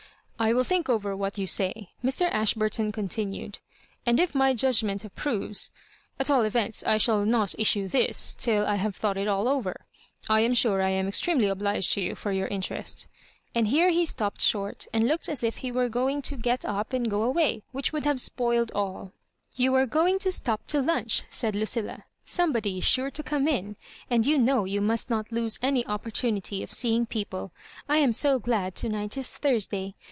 "I will think over what you say," Mr. Ashburton continued ;^ and if my judgment approves At all events I shall not issue M»~till I have thought it all over. I am sure I am extremely obliged to you for yotir interest*' And here he stopped short, and looked as if he were going to get up and go away, which would have spoiled all Tou are going to stop to lunch," said Lu dlla ;'' somebody is sure to come in. And you know you must not lose auy opportunity of see ing people. I am so glad to night is Thursday.